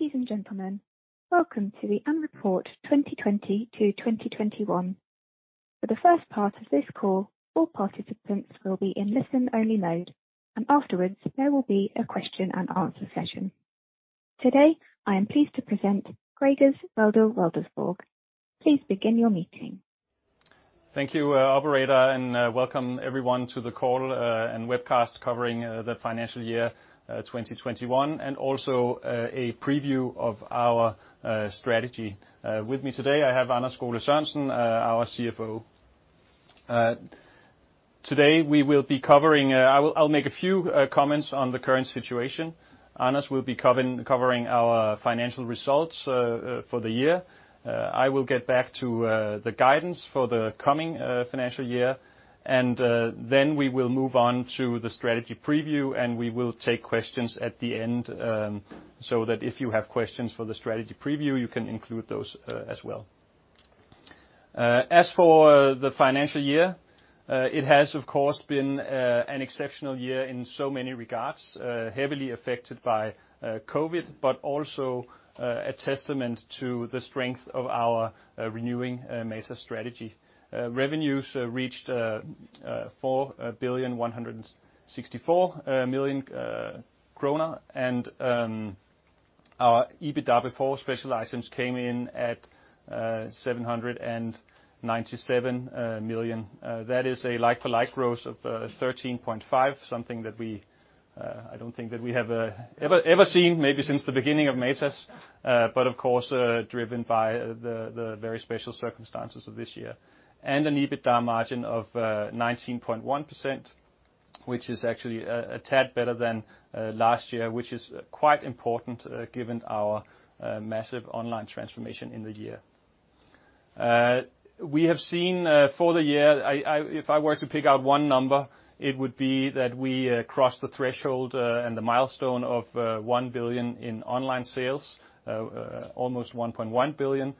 Ladies and gentlemen, welcome to the Annual Report 2020 to 2021. For the first part of this call, all participants will be in listen only mode, and afterwards there will be a question-and-answer session. Today, I am pleased to present Gregers Wedell-Wedellsborg. Please begin your meeting. Thank you, operator, and welcome everyone to the call and webcast covering the financial year 2021 and also a preview of our strategy. With me today, I have Anders Skole-Sørensen, our CFO. Today, I'll make a few comments on the current situation. Anders will be covering our financial results for the year. I will get back to the guidance for the coming financial year. Then we will move on to the strategy preview. We will take questions at the end, so that if you have questions for the strategy preview, you can include those as well. As for the financial year, it has, of course, been an exceptional year in so many regards. Heavily affected by COVID-19, but also a testament to the strength of our renewing Matas strategy. Revenues reached 4.16 billion. Our EBITDA before special items came in at 797 million. That is a like-for-like growth of 13.5%, something that I don't think that we have ever seen maybe since the beginning of Matas, but of course, driven by the very special circumstances of this year. An EBITDA margin of 19.1%, which is actually a tad better than last year, which is quite important given our massive online transformation in the year. We have seen for the year, if I were to pick out one number, it would be that we crossed the threshold and the milestone of 1 billion in online sales, almost 1.1 billion,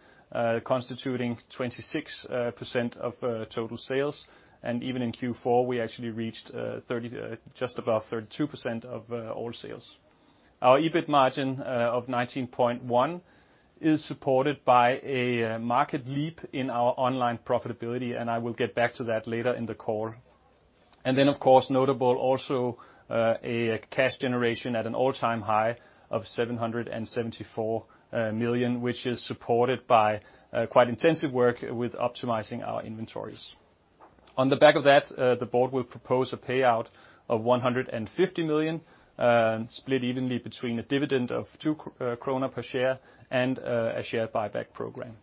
constituting 26% of total sales. Even in Q4, we actually reached just above 32% of all sales. Our EBIT margin of 19.1% is supported by a market leap in our online profitability. I will get back to that later in the call. Of course, notable also a cash generation at an all-time high of 774 million, which is supported by quite intensive work with optimizing our inventories. On the back of that, the board will propose a payout of 150 million, split evenly between a dividend of 2 kroner per share and a share buyback program.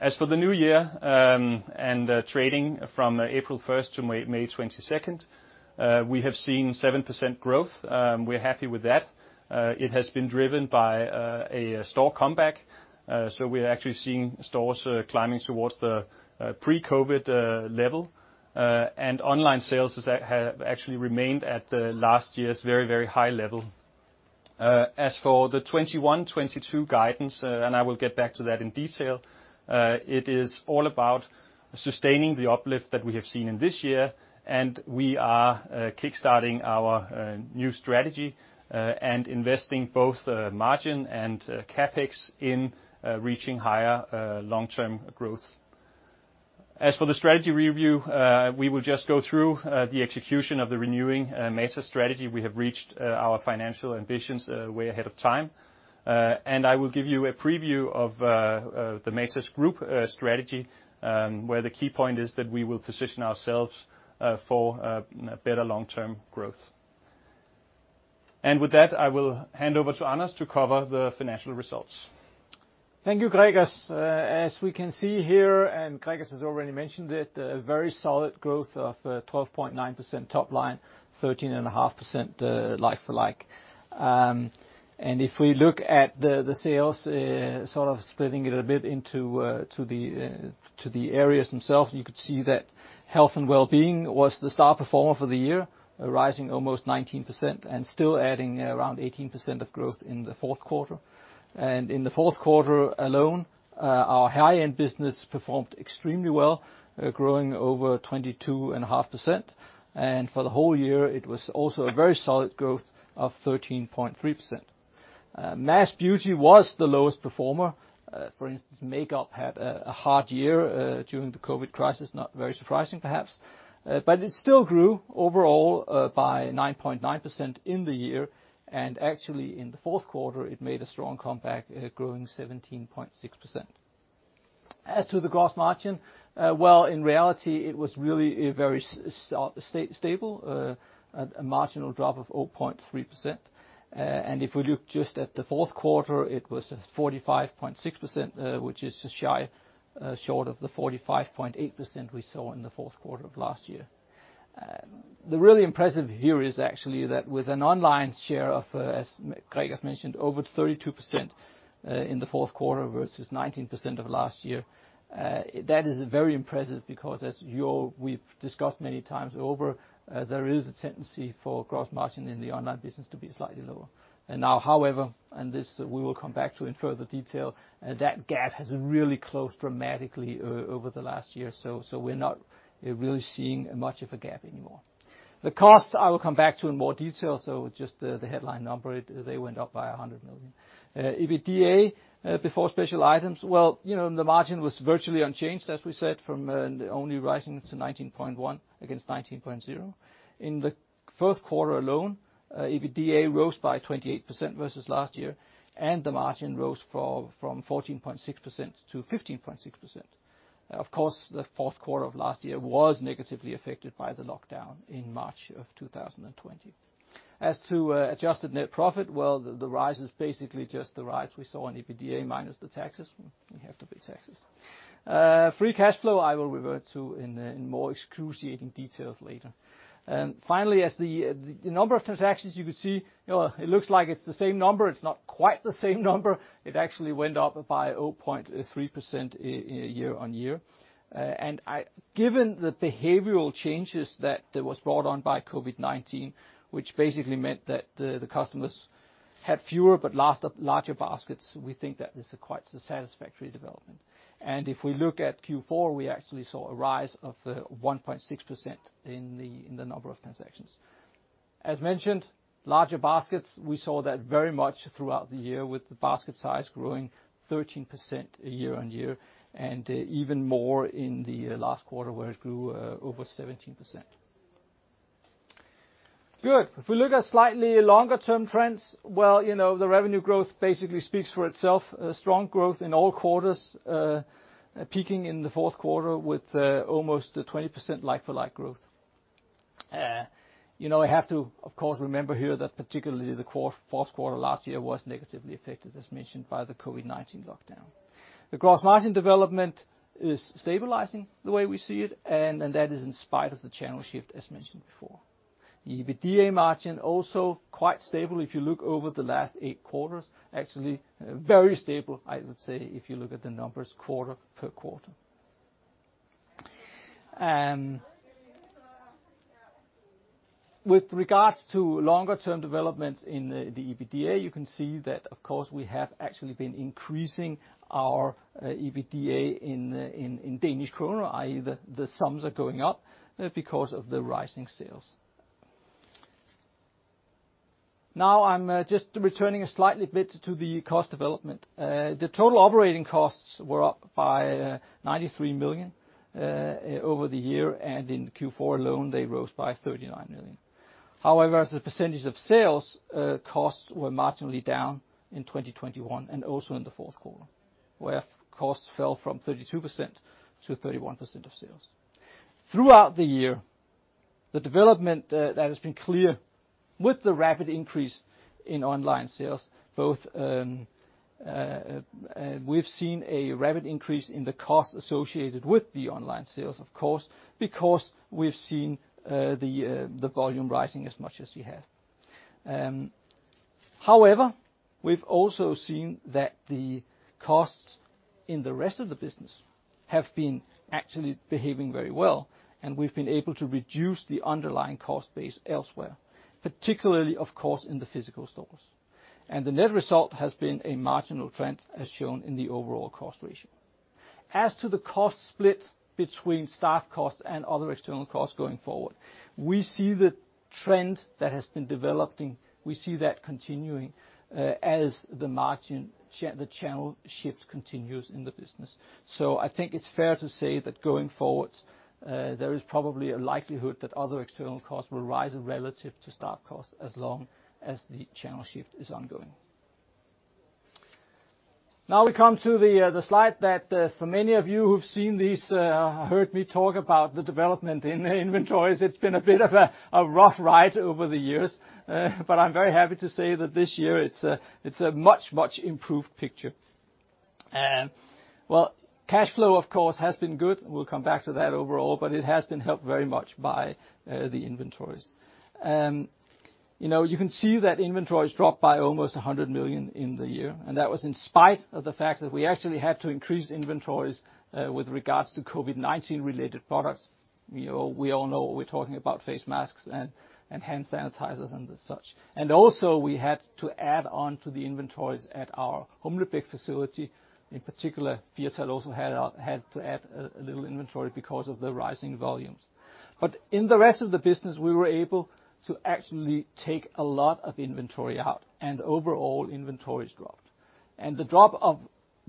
As for the new year, and trading from April 1st to May 22nd, we have seen 7% growth. We're happy with that. It has been driven by a store comeback. We are actually seeing stores climbing towards the pre-COVID-19 level, and online sales have actually remained at last year's very, very high level. As for the 2021, 2022 guidance, I will get back to that in detail, it is all about sustaining the uplift that we have seen in this year, we are kickstarting our new strategy and investing both margin and CapEx in reaching higher long-term growth. As for the strategy review, we will just go through the execution of the renewing Matas strategy. We have reached our financial ambitions way ahead of time. I will give you a preview of the Matas Group strategy, where the key point is that we will position ourselves for better long-term growth. With that, I will hand over to Anders to cover the financial results. Thank you, Gregers. As we can see here, and Gregers has already mentioned it, a very solid growth of 12.9% top line, 13.5% like for like. If we look at the sales, sort of splitting it a bit into the areas themselves, you could see that health and wellbeing was the star performer for the year, rising almost 19% and still adding around 18% of growth in the fourth quarter. In the fourth quarter alone, our high-end business performed extremely well, growing over 22.5%. For the whole year, it was also a very solid growth of 13.3%. Mass beauty was the lowest performer. For instance, makeup had a hard year during the COVID-19, not very surprising, perhaps. It still grew overall by 9.9% in the year, and actually in the fourth quarter, it made a strong comeback, growing 17.6%. As to the gross margin, well, in reality, it was really very stable, a marginal drop of 0.3%. If we look just at the fourth quarter, it was at 45.6%, which is shy short of the 45.8% we saw in the fourth quarter of last year. The really impressive here is actually that with an online share of, as Gregers mentioned, over 32% in the fourth quarter versus 19% of last year. That is very impressive because as we've discussed many times over, there is a tendency for gross margin in the online business to be slightly lower. Now, however, and this we will come back to in further detail, that gap has really closed dramatically over the last year. We're not really seeing much of a gap anymore. The costs I will come back to in more detail, just the headline number, they went up by 100 million. EBITDA before special items, well, the margin was virtually unchanged, as we said, from only rising to 19.1% against 19.0%. In the fourth quarter alone, EBITDA rose by 28% versus last year, and the margin rose from 14.6% to 15.6%. The fourth quarter of last year was negatively affected by the lockdown in March of 2020. As to adjusted net profit, well, the rise is basically just the rise we saw in EBITDA minus the taxes. We have to pay taxes. Free cash flow, I will revert to in more excruciating details later. As the number of transactions you can see, it looks like it's the same number. It's not quite the same number. It actually went up by 0.3% year-on-year. Given the behavioral changes that was brought on by COVID-19, which basically meant that the customers had fewer but larger baskets, we think that this is quite a satisfactory development. If we look at Q4, we actually saw a rise of 1.6% in the number of transactions. As mentioned, larger baskets, we saw that very much throughout the year with the basket size growing 13% year-on-year and even more in the last quarter, where it grew over 17%. Good. If we look at slightly longer-term trends, well, the revenue growth basically speaks for itself. Strong growth in all quarters, peaking in the fourth quarter with almost a 20% like-for-like growth. We have to, of course, remember here that particularly the fourth quarter last year was negatively affected, as mentioned, by the COVID-19 lockdown. The gross margin development is stabilizing the way we see it, and that is in spite of the channel shift, as mentioned before. The EBITDA margin also quite stable if you look over the last eight quarters. Actually, very stable, I would say, if you look at the numbers quarter per quarter. With regards to longer-term developments in the EBITDA, you can see that, of course, we have actually been increasing our EBITDA in Danish kroner, i.e., the sums are going up because of the rising sales. Now I'm just returning slightly a bit to the cost development. The total operating costs were up by 93 million over the year, and in Q4 alone, they rose by 39 million. However, as a percentage of sales, costs were marginally down in 2021 and also in the fourth quarter, where costs fell from 32% to 31% of sales. Throughout the year, the development that has been clear with the rapid increase in online sales, both we've seen a rapid increase in the cost associated with the online sales, of course, because we've seen the volume rising as much as it has. However, we've also seen that the costs in the rest of the business have been actually behaving very well, and we've been able to reduce the underlying cost base elsewhere, particularly, of course, in the physical stores. And the net result has been a marginal trend, as shown in the overall cost ratio. As to the cost split between staff costs and other external costs going forward, we see the trend that has been developing, we see that continuing as the channel shift continues in the business. I think it's fair to say that going forward, there is probably a likelihood that other external costs will rise relative to staff costs as long as the channel shift is ongoing. We come to the slide that for many of you who've seen this, heard me talk about the development in inventories, it's been a bit of a rough ride over the years, but I'm very happy to say that this year it's a much, much improved picture. Cash flow, of course, has been good, and we'll come back to that overall, but it has been helped very much by the inventories. You can see that inventories dropped by almost 100 million in the year, and that was in spite of the fact that we actually had to increase inventories with regards to COVID-19 related products. We all know what we're talking about, face masks and hand sanitizers and such. We had to add on to the inventories at our Humlebæk facility. In particular, [inaudible] also had to add a little inventory because of the rising volumes. In the rest of the business, we were able to actually take a lot of inventory out, and overall inventories dropped. The drop of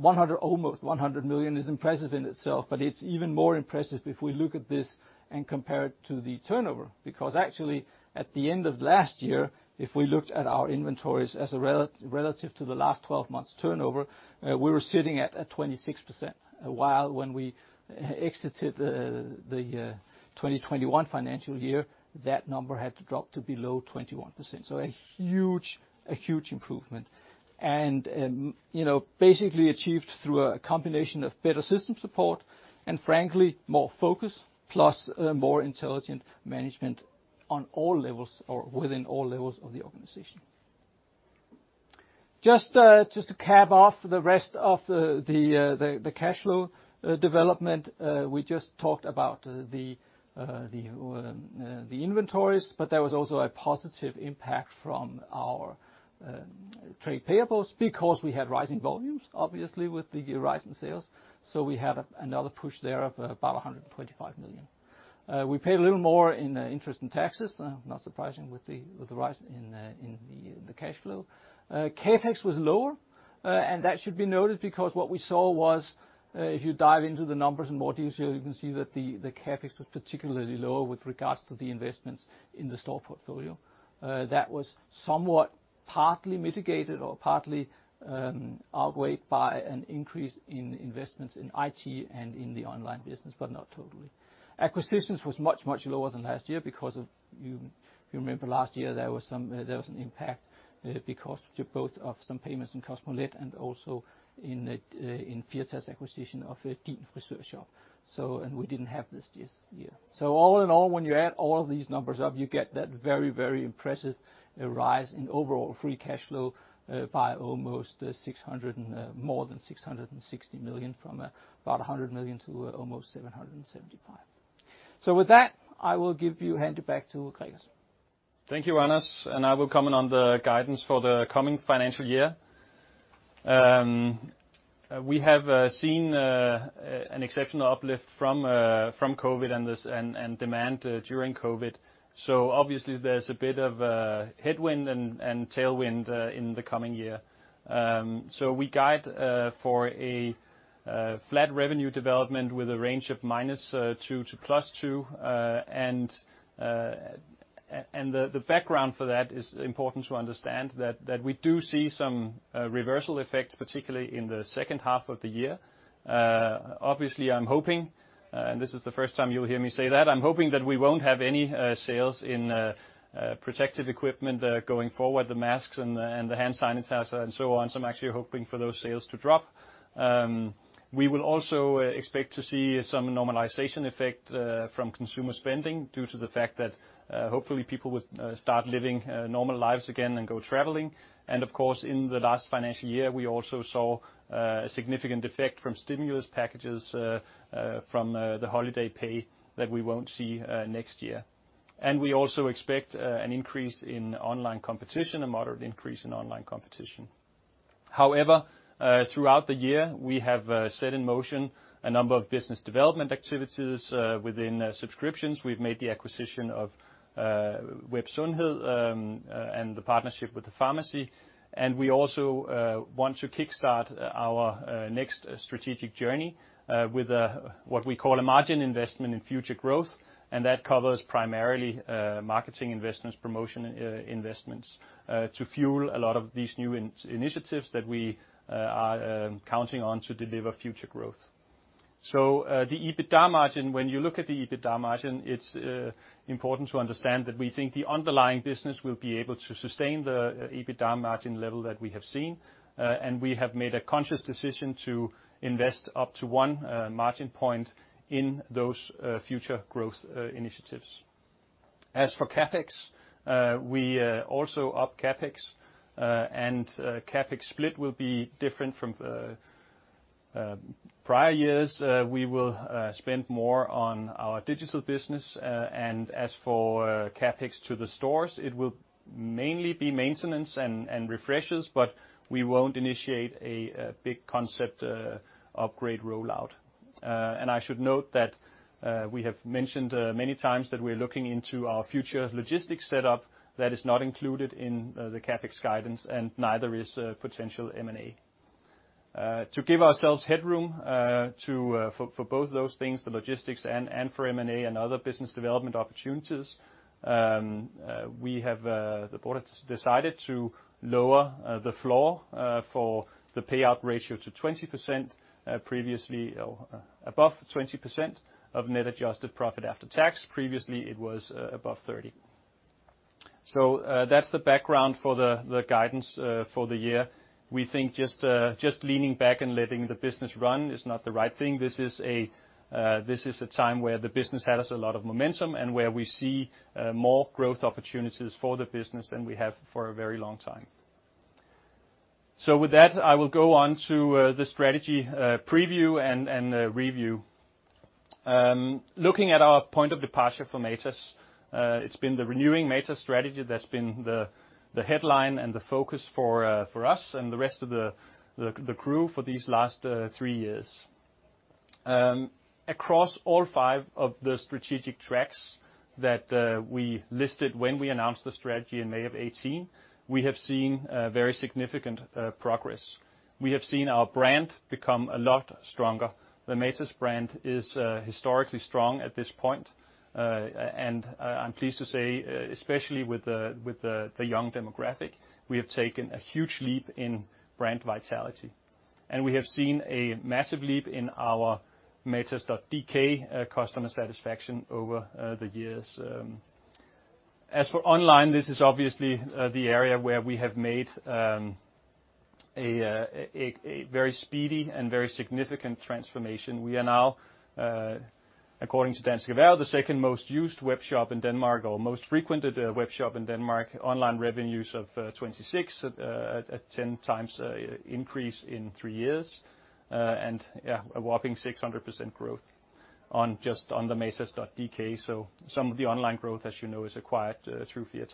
almost 100 million is impressive in itself, but it's even more impressive if we look at this and compare it to the turnover. Actually, at the end of last year, if we looked at our inventories as relative to the last 12 months turnover, we were sitting at a 26%, while when we exited the 2021 financial year, that number had dropped to below 21%. A huge improvement and basically achieved through a combination of better system support and frankly, more focus plus more intelligent management on all levels or within all levels of the organization. Just to cap off the rest of the cash flow development, we just talked about the inventories, but there was also a positive impact from our trade payables because we had rising volumes, obviously, with the rise in sales. We had another push there of about 125 million. We paid a little more in interest and taxes, not surprising with the rise in the cash flow. CapEx was lower. That should be noted because what we saw was, if you dive into the numbers in more detail, you can see that the CapEx was particularly low with regards to the investments in the store portfolio. That was somewhat partly mitigated or partly outweighed by an increase in investments in IT and in the online business, but not totally. Acquisitions was much lower than last year because if you remember last year, there was an impact because both of some payments in Kosmolet and also in Firtal's acquisition of Din Frisørshop, and we didn't have this this year. All in all, when you add all of these numbers up, you get that very impressive rise in overall free cash flow by more than 660 million from about 100 million to almost 775 million. With that, I will hand it back to Gregers Wedell-Wedellsborg. Thank you, Anders. I will comment on the guidance for the coming financial year. We have seen an exceptional uplift from COVID and demand during COVID. Obviously there's a bit of headwind and tailwind in the coming year. We guide for a flat revenue development with a range of -2% to +2%. The background for that is important to understand that we do see some reversal effect, particularly in the second half of the year. Obviously, I'm hoping, and this is the first time you'll hear me say that, I'm hoping that we won't have any sales in protective equipment going forward, the masks and the hand sanitizer and so on. I'm actually hoping for those sales to drop. We will also expect to see some normalization effect from consumer spending due to the fact that hopefully people will start living normal lives again and go traveling. Of course, in the last financial year, we also saw a significant effect from stimulus packages from the holiday pay that we won't see next year. We also expect an increase in online competition, a moderate increase in online competition. However, throughout the year, we have set in motion a number of business development activities within subscriptions. We've made the acquisition of [inaudible] and the partnership with the pharmacy, and we also want to kickstart our next strategic journey with what we call a margin investment in future growth, and that covers primarily marketing investments, promotion investments to fuel a lot of these new initiatives that we are counting on to deliver future growth. The EBITDA margin, when you look at the EBITDA margin, it's important to understand that we think the underlying business will be able to sustain the EBITDA margin level that we have seen, and we have made a conscious decision to invest up to one margin point in those future growth initiatives. As for CapEx, we also up CapEx, and CapEx split will be different from prior years. We will spend more on our digital business, and as for CapEx to the stores, it will mainly be maintenance and refreshes, but we won't initiate a big concept upgrade rollout. I should note that we have mentioned many times that we're looking into our future logistics set up that is not included in the CapEx guidance, and neither is potential M&A. To give ourselves headroom for both those things, the logistics and for M&A and other business development opportunities, the board has decided to lower the floor for the payout ratio to 20%, above 20% of net adjusted profit after tax. Previously, it was above 30%. That's the background for the guidance for the year. We think just leaning back and letting the business run is not the right thing. This is a time where the business has a lot of momentum and where we see more growth opportunities for the business than we have for a very long time. With that, I will go on to the strategy preview and review. Looking at our point of departure for Matas, it's been the renewing Matas strategy that's been the headline and the focus for us and the rest of the crew for these last three years. Across all five of the strategic tracks that we listed when we announced the strategy in May of 2018, we have seen very significant progress. We have seen our brand become a lot stronger. The Matas brand is historically strong at this point. I'm pleased to say, especially with the young demographic, we have taken a huge leap in brand vitality, and we have seen a massive leap in our matas.dk customer satisfaction over the years. As for online, this is obviously the area where we have made a very speedy and very significant transformation. We are now, according to Dansk Erhverv, the second-most used webshop in Denmark or most frequented webshop in Denmark. Online revenues of 26 at 10x increase in three years, and a whopping 600% growth on just the matas.dk. Some of the online growth, as you know, is acquired through Firtal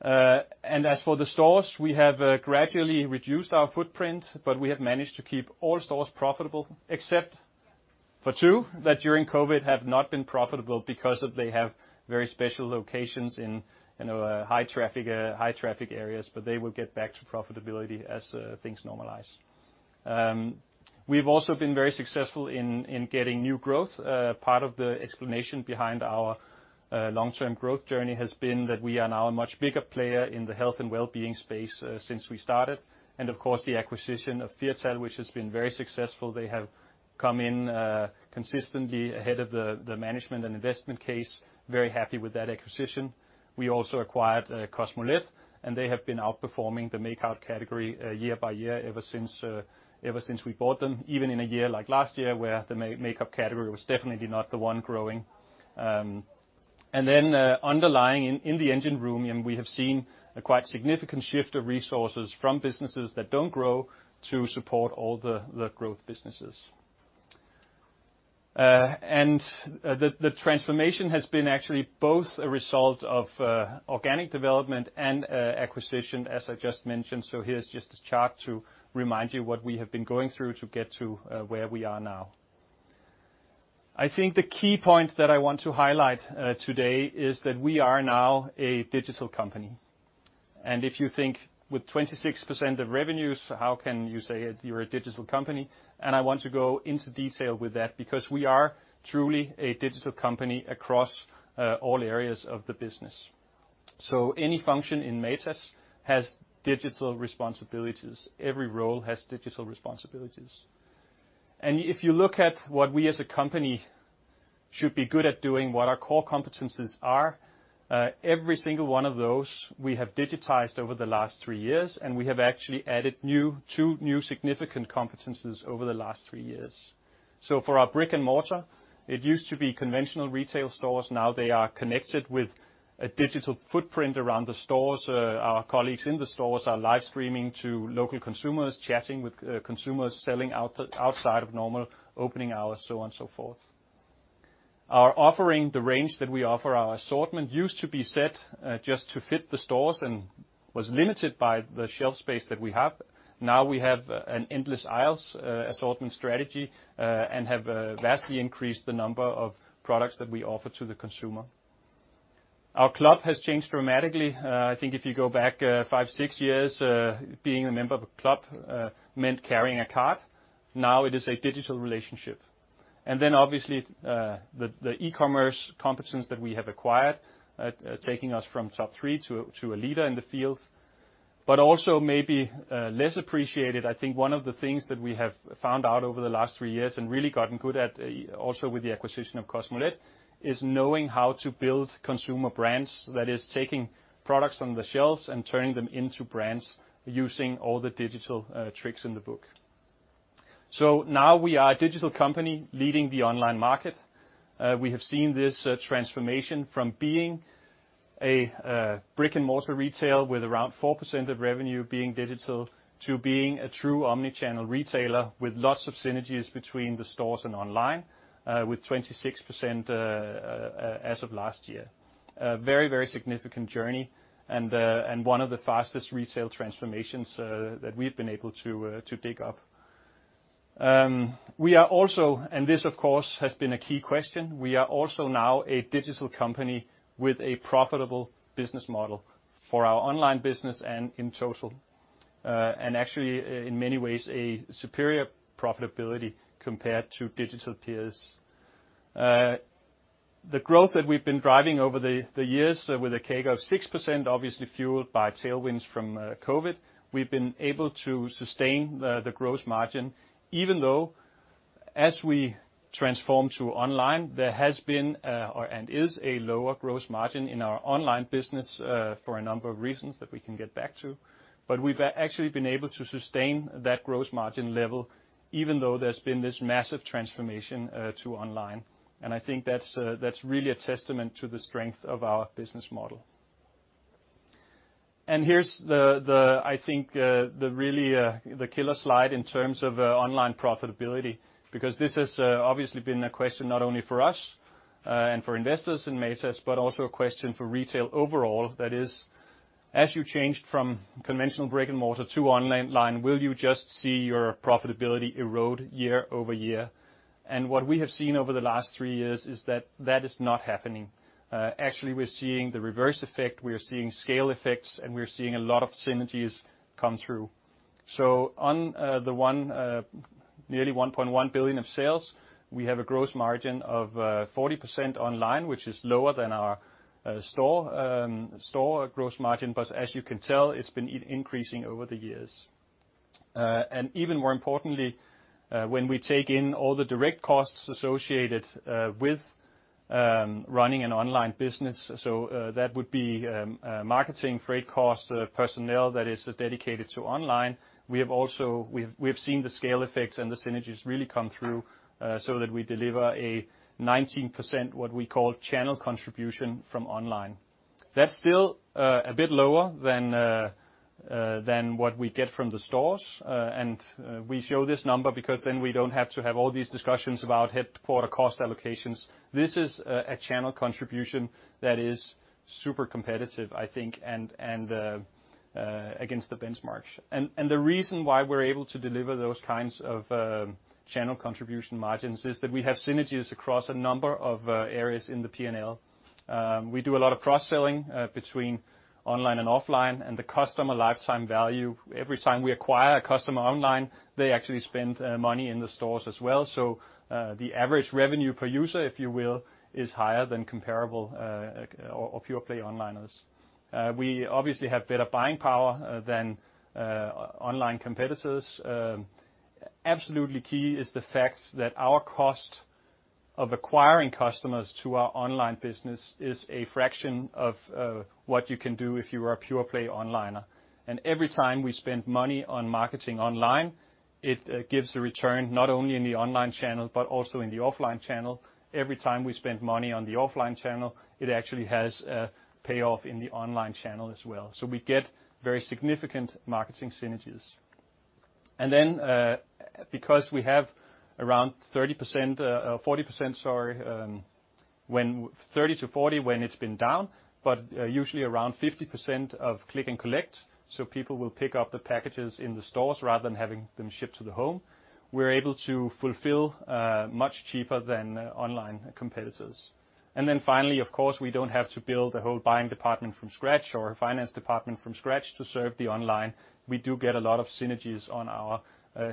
Group. As for the stores, we have gradually reduced our footprint, but we have managed to keep all stores profitable except two, that during COVID have not been profitable because they have very special locations in high traffic areas, but they will get back to profitability as things normalize. We've also been very successful in getting new growth. Part of the explanation behind our long-term growth journey has been that we are now a much bigger player in the health and wellbeing space since we started. Of course, the acquisition of Firtal, which has been very successful. They have come in consistently ahead of the management and investment case, very happy with that acquisition. We also acquired Kosmolet. They have been outperforming the makeup category year by year, ever since we bought them, even in a year like last year, where the makeup category was definitely not the one growing. Underlying in the engine room, and we have seen a quite significant shift of resources from businesses that don't grow to support all the growth businesses. The transformation has been actually both a result of organic development and acquisition, as I just mentioned. Here's just a chart to remind you what we have been going through to get to where we are now. I think the key point that I want to highlight today is that we are now a digital company. If you think with 26% of revenues, how can you say that you're a digital company? I want to go into detail with that because we are truly a digital company across all areas of the business. Any function in Matas has digital responsibilities. Every role has digital responsibilities. If you look at what we as a company should be good at doing, what our core competencies are, every single one of those we have digitized over the last three years, and we have actually added two new significant competencies over the last three years. For our brick and mortar, it used to be conventional retail stores. Now they are connected with a digital footprint around the stores. Our colleagues in the stores are live streaming to local consumers, chatting with consumers, selling outside of normal opening hours, so on so forth. Our offering, the range that we offer, our assortment used to be set just to fit the stores and was limited by the shelf space that we have. Now we have an endless aisles assortment strategy and have vastly increased the number of products that we offer to the consumer. Our club has changed dramatically. I think if you go back five, six years, being a member of a club meant carrying a card. Now it is a digital relationship. Obviously, the e-commerce competence that we have acquired, taking us from top three to a leader in the field. Also maybe less appreciated, I think one of the things that we have found out over the last three years and really gotten good at, also with the acquisition of Kosmolet, is knowing how to build consumer brands that is taking products on the shelves and turning them into brands using all the digital tricks in the book. Now we are a digital company leading the online market. We have seen this transformation from being a brick and mortar retail with around 4% of revenue being digital to being a true omni-channel retailer with lots of synergies between the stores and online, with 26% as of last year. A very significant journey and one of the fastest retail transformations that we've been able to dig up. We are also, and this of course has been a key question, we are also now a digital company with a profitable business model for our online business and in total, and actually in many ways, a superior profitability compared to digital peers. The growth that we've been driving over the years with a CAGR of 6%, obviously fueled by tailwinds from COVID-19, we've been able to sustain the gross margin, even though as we transform to online, there has been and is a lower gross margin in our online business for a number of reasons that we can get back to. We've actually been able to sustain that gross margin level, even though there's been this massive transformation to online. I think that's really a testament to the strength of our business model. Here's the killer slide in terms of online profitability, because this has obviously been a question not only for us and for investors in Matas, but also a question for retail overall. As you change from conventional brick and mortar to online, will you just see your profitability erode year-over-year? What we have seen over the last three years is that that is not happening. Actually, we're seeing the reverse effect. We're seeing scale effects, and we're seeing a lot of synergies come through. On the nearly 1.1 billion of sales, we have a gross margin of 40% online, which is lower than our store gross margin. As you can tell, it's been increasing over the years. Even more importantly, when we take in all the direct costs associated with running an online business, so that would be marketing, freight cost, personnel that is dedicated to online, we've seen the scale effects and the synergies really come through, so that we deliver a 19%, what we call channel contribution from online. That's still a bit lower than what we get from the stores. We show this number because then we don't have to have all these discussions about head office or cost allocations. This is a channel contribution that is super competitive, I think, and against the benchmarks. The reason why we're able to deliver those kinds of channel contribution margins is that we have synergies across a number of areas in the P&L. We do a lot of cross-selling between online and offline, and the customer lifetime value. Every time we acquire a customer online, they actually spend money in the stores as well. The average revenue per user, if you will, is higher than comparable to pure play onlineers. We obviously have better buying power than online competitors. Absolutely key is the fact that our cost of acquiring customers to our online business is a fraction of what you can do if you are a pure play onlineer. Every time we spend money on marketing online, it gives a return not only in the online channel but also in the offline channel. Every time we spend money on the offline channel, it actually has a payoff in the online channel as well. We get very significant marketing synergies. Because we have around 30% to 40% when it's been down, but usually around 50% of click and collect, so people will pick up the packages in the stores rather than having them shipped to the home. We're able to fulfill much cheaper than online competitors. Finally, of course, we don't have to build a whole buying department from scratch or a finance department from scratch to serve the online. We do get a lot of synergies on our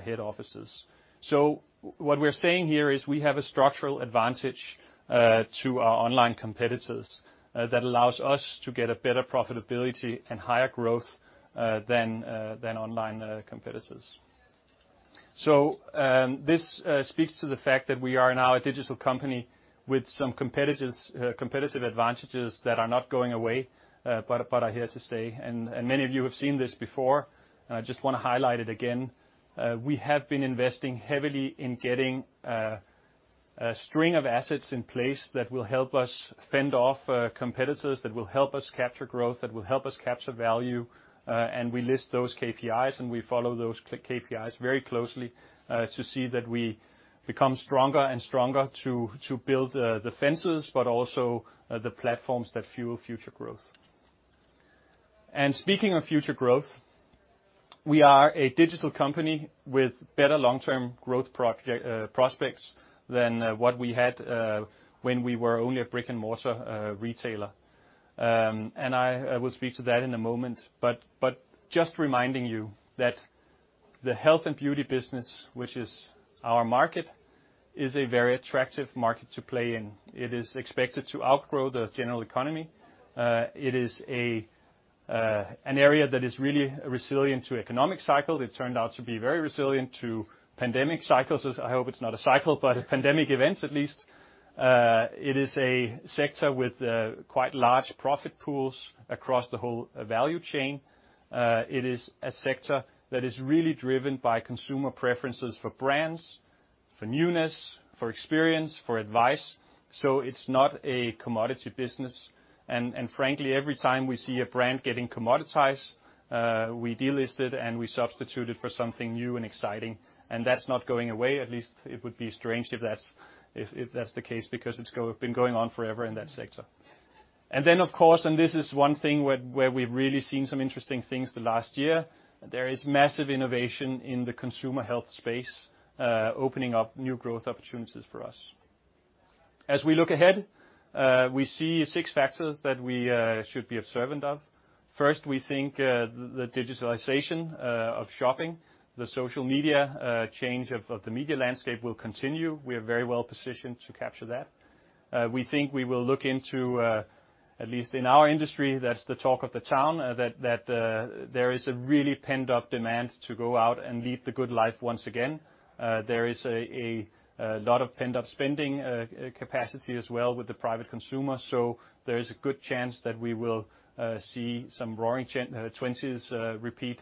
head offices. What we're saying here is we have a structural advantage to our online competitors that allows us to get a better profitability and higher growth than online competitors. This speaks to the fact that we are now a digital company with some competitive advantages that are not going away, but are here to stay. Many of you have seen this before. Just want to highlight it again. We have been investing heavily in getting a string of assets in place that will help us fend off competitors, that will help us capture growth, that will help us capture value. We list those KPIs, and we follow those KPIs very closely to see that we become stronger and stronger to build the fences, but also the platforms that fuel future growth. Speaking of future growth, we are a digital company with better long-term growth prospects than what we had when we were only a brick-and-mortar retailer. I will speak to that in a moment, but just reminding you that the health and beauty business, which is our market, is a very attractive market to play in. It is expected to outgrow the general economy. It is an area that is really resilient to economic cycle. It turned out to be very resilient to pandemic cycles. I hope it's not a cycle, but pandemic events at least. It is a sector with quite large profit pools across the whole value chain. It is a sector that is really driven by consumer preferences for brands, for newness, for experience, for advice. It's not a commodity business. Frankly, every time we see a brand getting commoditized, we delist it and we substitute it for something new and exciting, and that's not going away. At least it would be strange if that's the case, because it's been going on forever in that sector. Of course, and this is one thing where we've really seen some interesting things the last year, there is massive innovation in the consumer health space, opening up new growth opportunities for us. As we look ahead, we see six factors that we should be observant of. First, we think the digitalization of shopping, the social media change of the media landscape will continue. We are very well positioned to capture that. We think we will look into, at least in our industry, that's the talk of the town, that there is a really pent-up demand to go out and lead the good life once again. There is a lot of pent-up spending capacity as well with the private consumer. There's a good chance that we will see some Roaring Twenties repeat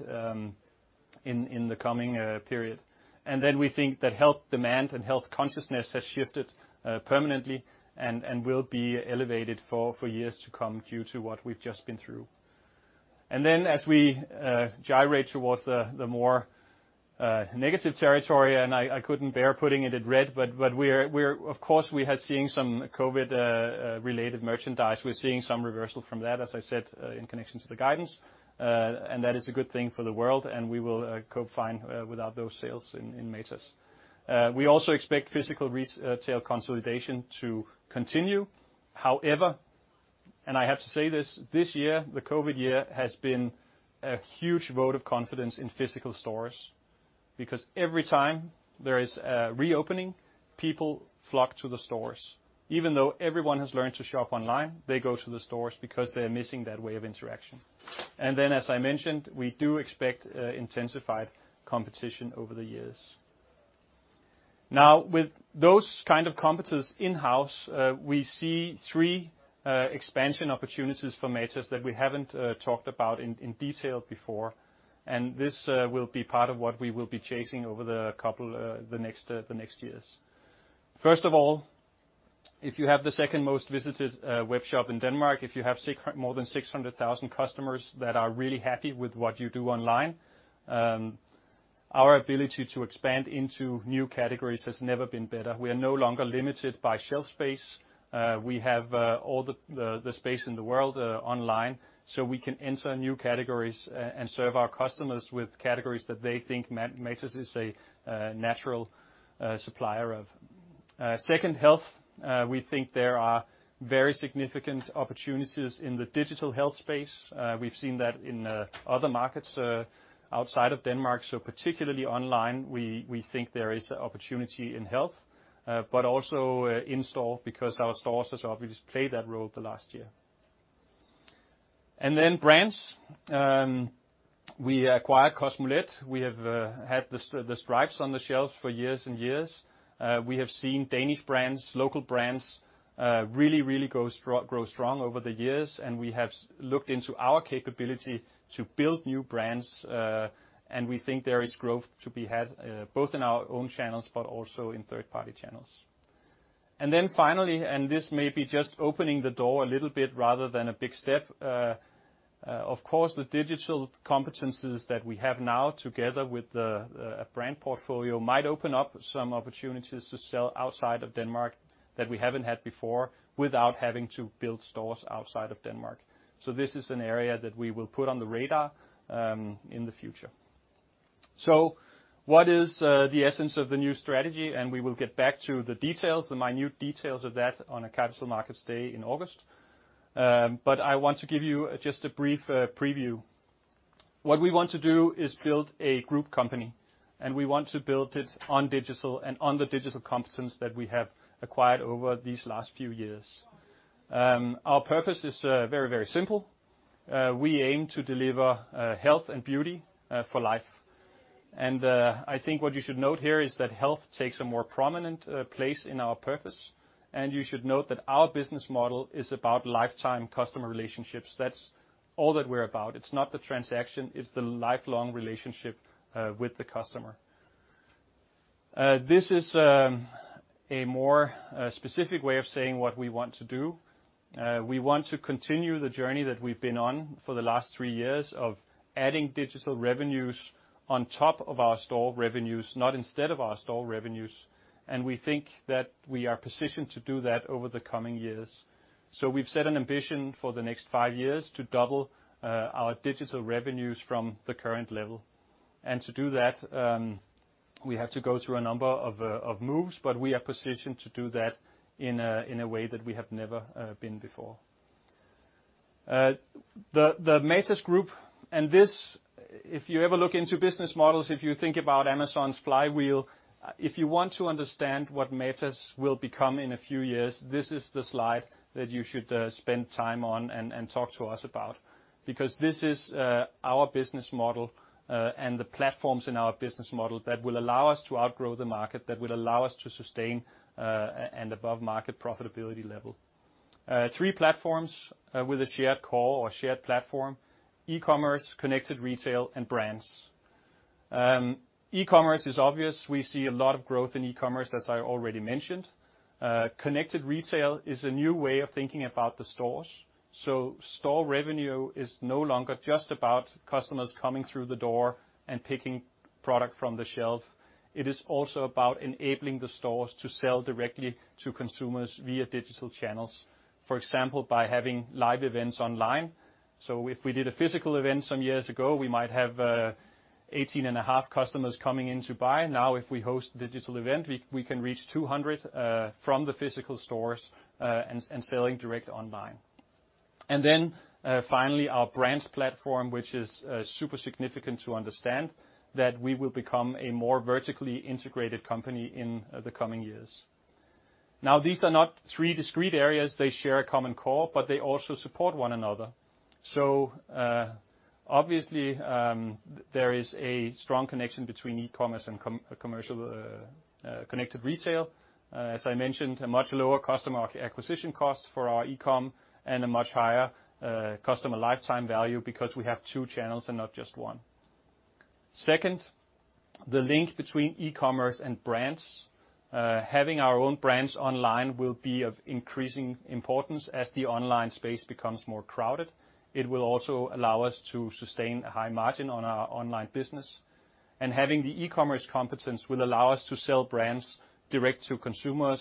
in the coming period. We think that health demand and health consciousness has shifted permanently and will be elevated for years to come due to what we've just been through. As we gyrate towards the more negative territory, I couldn't bear putting it in red, but of course, we are seeing some COVID-related merchandise. We're seeing some reversal from that, as I said, in connection to the guidance. That is a good thing for the world, and we will cope fine without those sales in Matas. We also expect physical retail consolidation to continue. However, I have to say this year, the COVID year, has been a huge vote of confidence in physical stores because every time there is a reopening, people flock to the stores. Even though everyone has learned to shop online, they go to the stores because they're missing that way of interaction. As I mentioned, we do expect intensified competition over the years. With those kind of competencies in-house, we see three expansion opportunities for Matas that we haven't talked about in detail before, and this will be part of what we will be chasing over the next years. First of all, if you have the second most visited webshop in Denmark, if you have more than 600,000 customers that are really happy with what you do online, our ability to expand into new categories has never been better. We are no longer limited by shelf space. We have all the space in the world online, so we can enter new categories and serve our customers with categories that they think Matas is a natural supplier of. Second, health. We think there are very significant opportunities in the digital health space. We've seen that in other markets outside of Denmark. Particularly online, we think there is an opportunity in health, but also in-store, because our stores have obviously played that role the last year. Brands. We acquired Kosmolet. We have had the stripes on the shelves for years and years. We have seen Danish brands, local brands, really grow strong over the years, and we have looked into our capability to build new brands. We think there is growth to be had, both in our own channels but also in third-party channels. Finally, and this may be just opening the door a little bit rather than a big step, of course, the digital competencies that we have now, together with the brand portfolio, might open up some opportunities to sell outside of Denmark that we haven't had before without having to build stores outside of Denmark. This is an area that we will put on the radar in the future. What is the essence of the new strategy? We will get back to the details, the minute details of that on our Capital Markets Day in August. I want to give you just a brief preview. What we want to do is build a group company, and we want to build it on digital and on the digital competence that we have acquired over these last few years. Our purpose is very simple. We aim to deliver health and beauty for life. I think what you should note here is that health takes a more prominent place in our purpose, and you should note that our business model is about lifetime customer relationships. That's all that we're about. It's not the transaction, it's the lifelong relationship with the customer. This is a more specific way of saying what we want to do. We want to continue the journey that we've been on for the last three years of adding digital revenues on top of our store revenues, not instead of our store revenues. We think that we are positioned to do that over the coming years. We've set an ambition for the next five years to double our digital revenues from the current level. To do that, we have to go through a number of moves, but we are positioned to do that in a way that we have never been before. The Matas Group, if you ever look into business models, if you think about Amazon's flywheel, if you want to understand what Matas will become in a few years, this is the slide that you should spend time on and talk to us about. This is our business model and the platforms in our business model that will allow us to outgrow the market, that will allow us to sustain an above-market profitability level. Three platforms with a shared core or shared platform: eCommerce, connected retail, and brands. eCommerce is obvious. We see a lot of growth in eCommerce, as I already mentioned. Connected retail is a new way of thinking about the stores. Store revenue is no longer just about customers coming through the door and picking product from the shelf. It is also about enabling the stores to sell directly to consumers via digital channels. For example, by having live events online. If we did a physical event some years ago, we might have 18.5 customers coming in to buy. If we host a digital event, we can reach 200 from the physical stores and selling direct online. Finally, our brands platform, which is super significant to understand, that we will become a more vertically integrated company in the coming years. These are not three discrete areas. They share a common core, but they also support one another. Obviously, there is a strong connection between eCommerce and commercial connected retail. As I mentioned, a much lower customer acquisition cost for our eCom and a much higher customer lifetime value because we have two channels and not just one. Second, the link between eCommerce and brands. Having our own brands online will be of increasing importance as the online space becomes more crowded. It will also allow us to sustain a high margin on our online business. Having the eCommerce competence will allow us to sell brands direct to consumers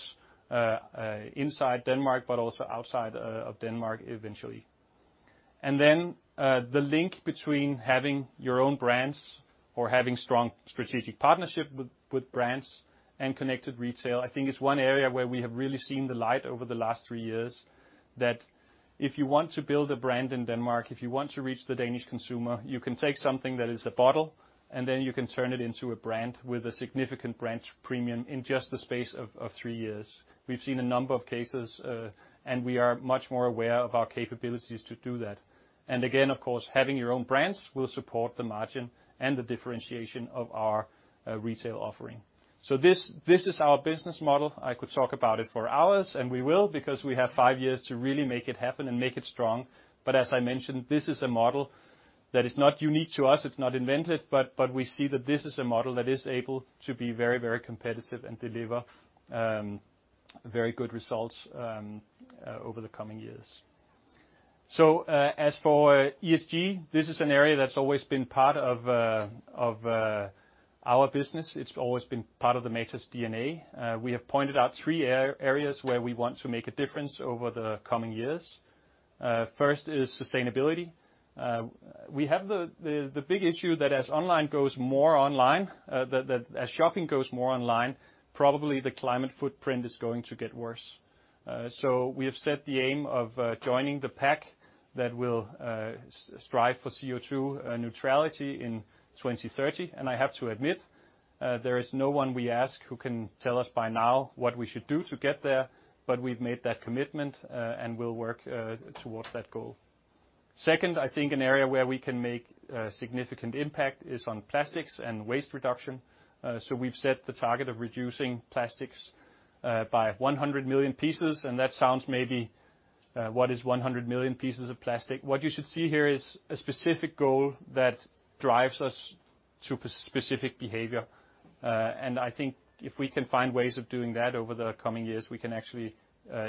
inside Denmark, but also outside of Denmark eventually. The link between having your own brands or having strong strategic partnerships with brands and connected retail, I think is one area where we have really seen the light over the last three years, that if you want to build a brand in Denmark, if you want to reach the Danish consumer, you can take something that is a bottle, and then you can turn it into a brand with a significant brand premium in just the space of three years. We've seen a number of cases. We are much more aware of our capabilities to do that. Again, of course, having your own brands will support the margin and the differentiation of our retail offering. This is our business model. I could talk about it for hours, and we will, because we have five years to really make it happen and make it strong. As I mentioned, this is a model that is not unique to us, it's not invented, but we see that this is a model that is able to be very competitive and deliver very good results over the coming years. As for ESG, this is an area that's always been part of our business. It's always been part of the Matas DNA. We have pointed out three areas where we want to make a difference over the coming years. First is sustainability. We have the big issue that as online goes more online, that as shopping goes more online, probably the climate footprint is going to get worse. We have set the aim of joining the pack that will strive for CO2 neutrality in 2030, and I have to admit, there is no one we ask who can tell us by now what we should do to get there. We've made that commitment, and we'll work towards that goal. Second, I think an area where we can make a significant impact is on plastics and waste reduction. We've set the target of reducing plastics by 100 million pieces, and that sounds maybe, what is 100 million pieces of plastic? What you should see here is a specific goal that drives us to specific behavior. I think if we can find ways of doing that over the coming years, we can actually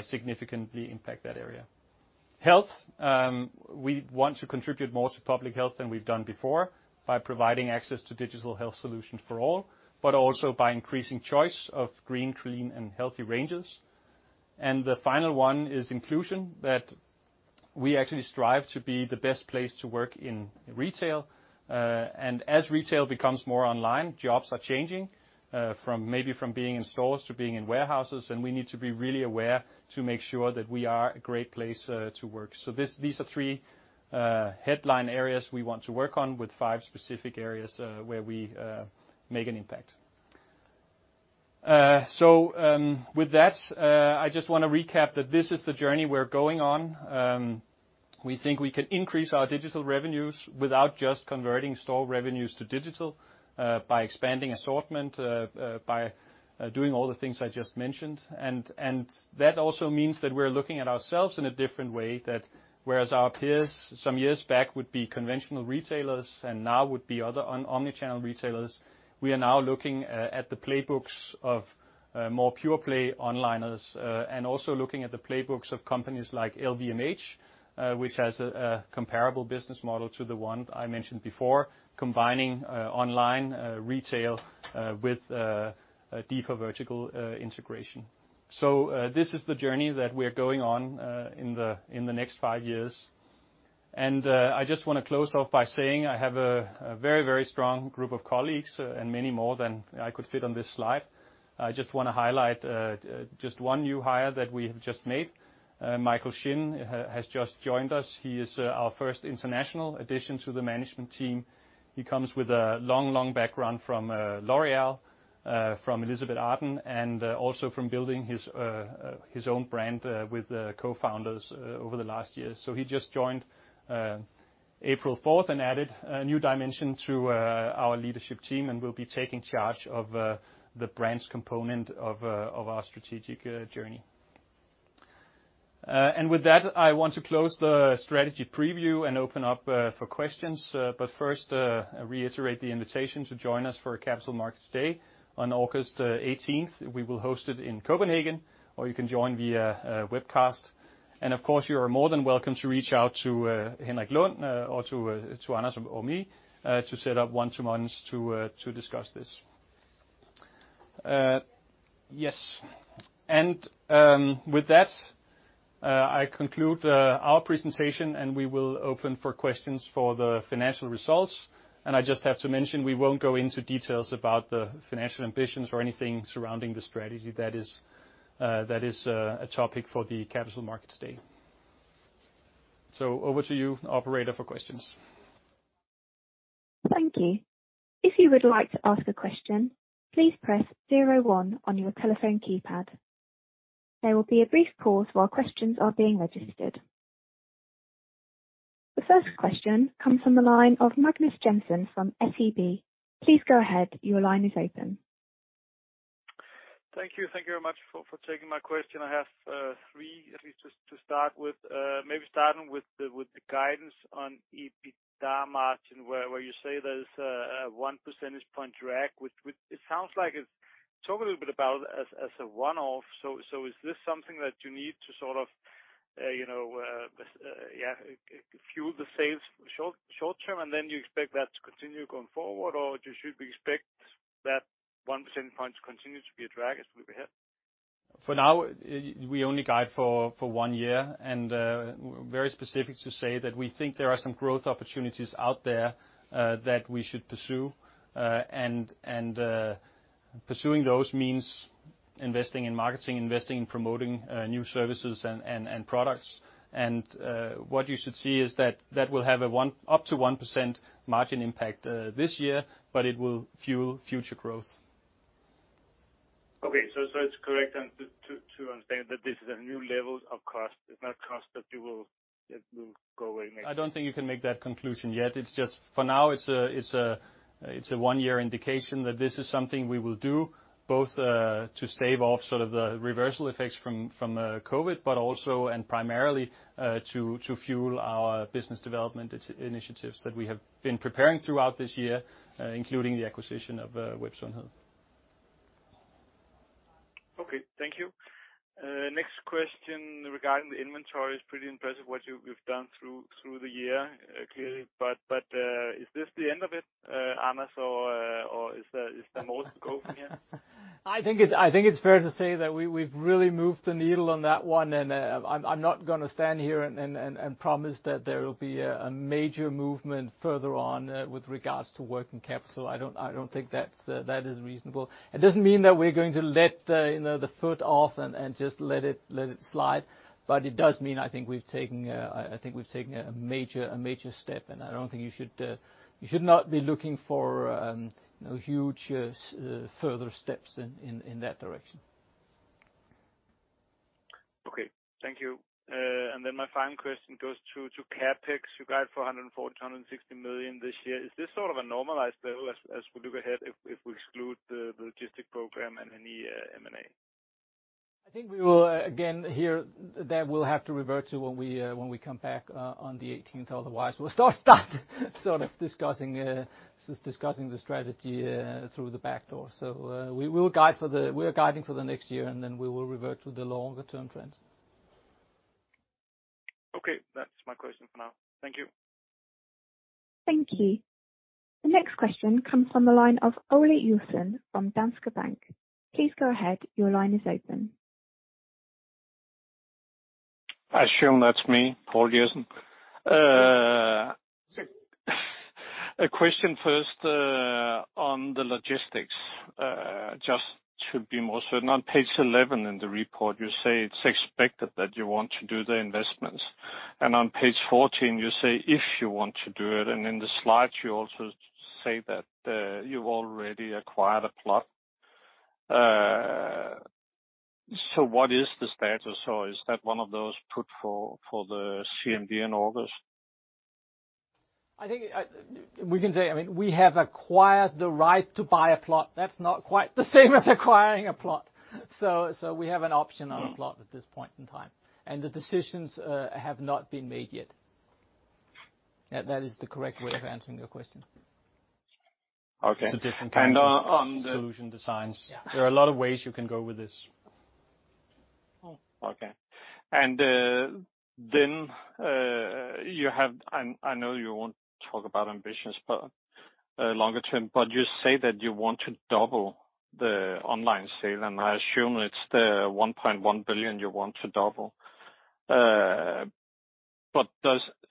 significantly impact that area. Health, we want to contribute more to public health than we've done before by providing access to digital health solutions for all, but also by increasing choice of green, clean and healthy ranges. The final one is inclusion, that we actually strive to be the best place to work in retail. As retail becomes more online, jobs are changing, from maybe from being in stores to being in warehouses, and we need to be really aware to make sure that we are a great place to work. These are three headline areas we want to work on with five specific areas, where we make an impact. With that, I just want to recap that this is the journey we're going on. We think we can increase our digital revenues without just converting store revenues to digital, by expanding assortment, by doing all the things I just mentioned. That also means that we're looking at ourselves in a different way, that whereas our peers some years back would be conventional retailers and now would be other omni-channel retailers, we are now looking at the playbooks of more pure play onliners, and also looking at the playbooks of companies like LVMH, which has a comparable business model to the one I mentioned before, combining online retail with a deeper vertical integration. This is the journey that we're going on in the next five years. I just want to close off by saying I have a very strong group of colleagues and many more than I could fit on this slide. I just want to highlight just one new hire that we have just made. Michael Shin has just joined us. He is our first international addition to the management team. He comes with a long background from L'Oréal, from Elizabeth Arden, and also from building his own brand with co-founders over the last year. He just joined April 4th and added a new dimension to our leadership team and will be taking charge of the brands component of our strategic journey. With that, I want to close the strategy preview and open up for questions. First, reiterate the invitation to join us for Capital Markets Day on August 18th. We will host it in Copenhagen, or you can join via webcast. Of course, you are more than welcome to reach out to Henrik Lund or to Anders Skole-Sørensen or me, to set up one-to-ones to discuss this. Yes. With that, I conclude our presentation, and we will open for questions for the financial results. I just have to mention, we won't go into details about the financial ambitions or anything surrounding the strategy. That is a topic for the Capital Markets Day. Over to you, operator, for questions. Thank you. The first question comes from the line of Magnus Jensen from SEB. Please go ahead. Your line is open. Thank you. Thank you very much for taking my question. I have three at least to start with. Starting with the guidance on EBITDA margin, where you say there's a one percentage point drag, which it sounds like it's talked a little bit about as a one-off. Is this something that you need to sort of fuel the sales short-term, and then you expect that to continue going forward? You should expect that one percentage point to continue to be a drag as we move ahead? For now, we only guide for one year and, very specific to say that we think there are some growth opportunities out there that we should pursue. Pursuing those means investing in marketing, investing in promoting new services and products. What you should see is that that will have up to 1% margin impact this year, but it will fuel future growth. Okay, it's correct, to understand that this is a new level of cost. It's not cost that will go away next- I don't think you can make that conclusion yet. It's just for now, it's a one-year indication that this is something we will do, both to stave off the reversal effects from COVID, but also, and primarily, to fuel our business development initiatives that we have been preparing throughout this year, including the acquisition of. [inaudible] Okay, thank you. Next question regarding the inventory. It's pretty impressive what you've done through the year, clearly. Is this the end of it, Anders? Or is there more to come here? I think it's fair to say that we've really moved the needle on that one, and I'm not going to stand here and promise that there will be a major movement further on with regards to working capital. I don't think that is reasonable. It doesn't mean that we're going to let the foot off and just let it slide. It does mean, I think we've taken a major step, and I don't think you should not be looking for huge further steps in that direction. Okay, thank you. My final question goes to CapEx. You guide for 140 million-160 million this year. Is this sort of a normalized level as we look ahead, if we exclude the logistic program and any M&A? I think we will, again, here, that we'll have to revert to when we come back on the 18th. Otherwise, we'll start discussing the strategy through the back door. We are guiding for the next year, we will revert to the longer-term trends. Okay. That's my question for now. Thank you. Thank you. The next question comes from the line of Ole Jensen from Danske Bank. Please go ahead. Your line is open. I assume that's me, Ole Jensen. A question first on the logistics. Just to be more certain, on page 11 in the report, you say it's expected that you want to do the investments, and on page 14 you say if you want to do it, and in the slides you also say that you already acquired a plot. What is the status? Is that one of those put for the CMD in August? I think we can say, we have acquired the right to buy a plot. That's not quite the same as acquiring a plot. We have an option on a plot at this point in time, and the decisions have not been made yet. That is the correct way of answering your question. Okay. There's different kinds of solution designs. There are a lot of ways you can go with this. Okay. You have, I know you won't talk about ambitions, but longer term, but you say that you want to double the online sale, and I assume it's the 1.1 billion you want to double.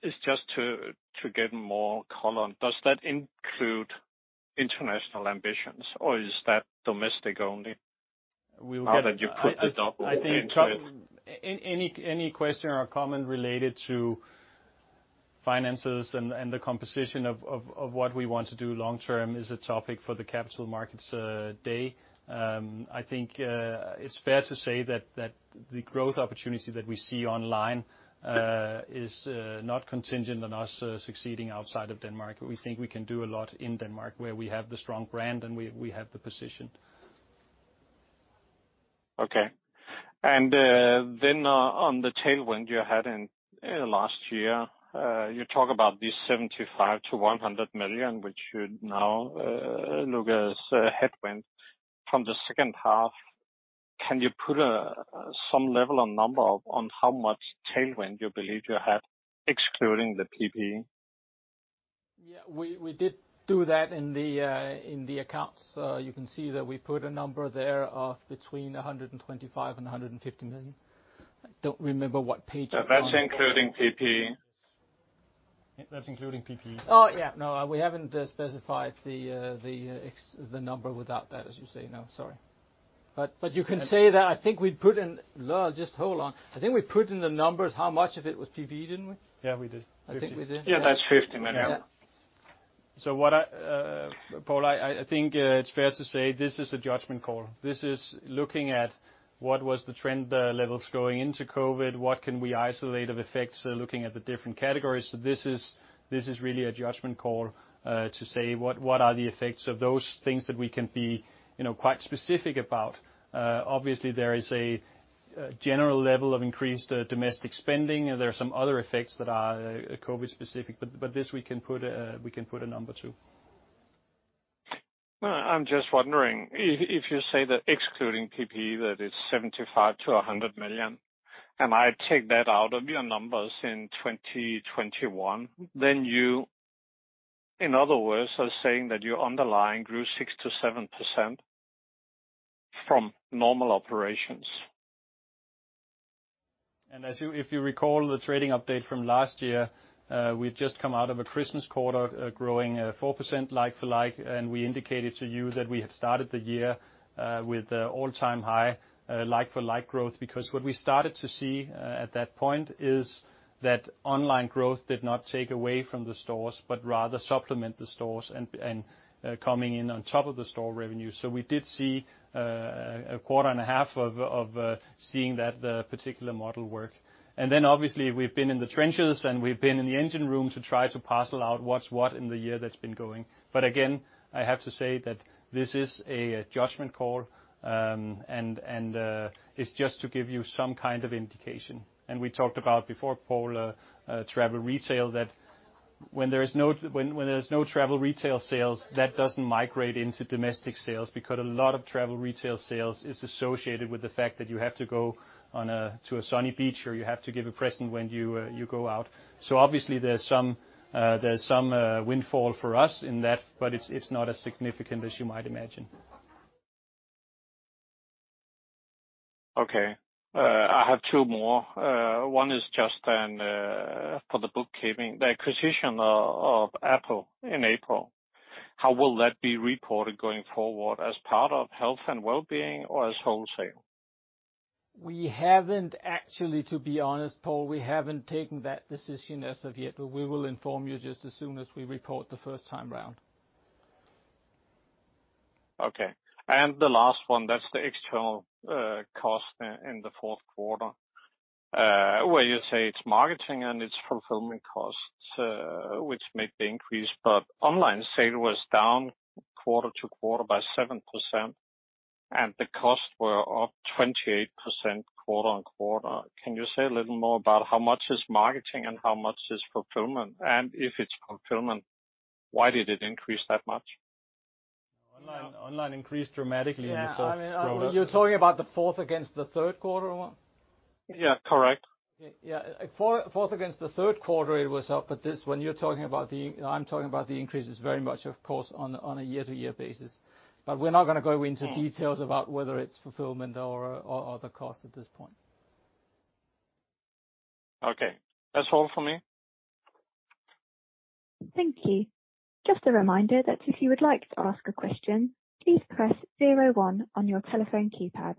It's just to get more color. Does that include international ambitions, or is that domestic only? We'll get Now that you put the double into it. I think any question or comment related to finances and the composition of what we want to do long term is a topic for the Capital Markets Day. I think it's fair to say that the growth opportunity that we see online is not contingent on us succeeding outside of Denmark. We think we can do a lot in Denmark, where we have the strong brand, and we have the position. Okay. On the tailwind you had in the last year, you talk about this 75 million to 100 million, which should now look as a headwind from the second half. Can you put some level or number on how much tailwind you believe you had, excluding the PPE? Yeah, we did do that in the accounts. You can see that we put a number there of between 125 million and 150 million. I don't remember what page that's on. That's including PPE. That's including PPE. Oh, yeah. No, we haven't specified the number without that, as you say now. Sorry. You can say that I think we put in Laere, just hold on. I think we put in the numbers, how much of it was PPE, didn't we? Yeah, we did. I think we did. Yeah, that's 50 million. What I, Ole, I think it's fair to say this is a judgment call. This is looking at what was the trend levels going into COVID? What can we isolate of effects, looking at the different categories? This is really a judgment call to say what are the effects of those things that we can be quite specific about. Obviously, there is a general level of increased domestic spending. There are some other effects that are COVID-specific, but this we can put a number to. I'm just wondering, if you say that excluding PPE, that it's 75 million-100 million, and I take that out of your numbers in 2021, then you, in other words, are saying that your underlying grew 6%-7% from normal operations. If you recall the trading update from last year, we'd just come out of a Christmas quarter growing 4% like for like, and we indicated to you that we had started the year with all-time high like for like growth, because what we started to see at that point is that online growth did not take away from the stores, but rather supplement the stores and coming in on top of the store revenue. We did see a quarter and a half of seeing that particular model work. Then obviously we've been in the trenches, and we've been in the engine room to try to parcel out what's what in the year that's been going. Again, I have to say that this is a judgment call, and it's just to give you some kind of indication. We talked about before, Ole, travel retail that. When there's no travel retail sales, that doesn't migrate into domestic sales because a lot of travel retail sales is associated with the fact that you have to go to a sunny beach or you have to give a present when you go out. Obviously there's some windfall for us in that, but it's not as significant as you might imagine. Okay. I have two more. One is just for the bookkeeping. The acquisition of Apo in April, how will that be reported going forward? As part of health and wellbeing or as wholesale? We haven't actually, to be honest, Ole, we haven't taken that decision as of yet, but we will inform you just as soon as we report the first time around. Okay. The last one, that's the external cost in the fourth quarter, where you say it's marketing and it's fulfillment costs, which may be increased. Online sale was down quarter-to-quarter by 7%, and the costs were up 28% quarter-on-quarter. Can you say a little more about how much is marketing and how much is fulfillment? If it's fulfillment, why did it increase that much? Online increased dramatically in the first quarter. You're talking about the fourth against the third quarter? Yeah, correct. Yeah. Fourth against the third quarter, it was up, when I'm talking about the increase, it's very much, of course, on a year-to-year basis. We're not going to go into details about whether it's fulfillment or the cost at this point. Okay. That's all for me. Thank you. Just a reminder that if you would like to ask a question, please press zero one on your telephone keypad.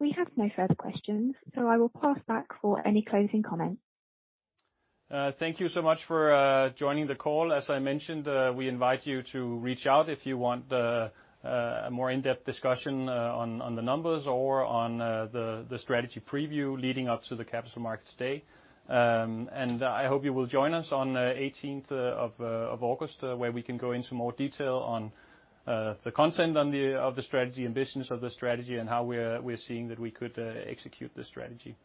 We have no further questions. I will pass back for any closing comments. Thank you so much for joining the call. As I mentioned, we invite you to reach out if you want a more in-depth discussion on the numbers or on the strategy preview leading up to the Capital Markets Day. I hope you will join us on the 18th of August, where we can go into more detail on the content of the strategy, ambitions of the strategy, and how we're seeing that we could execute the strategy.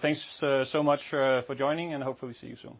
Thanks so much for joining, and hopefully see you soon.